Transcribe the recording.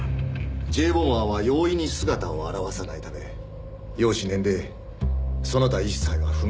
Ｊ・ボマーは容易に姿を現さないため容姿年齢その他一切は不明なのです。